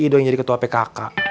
ide yang jadi ketua pkk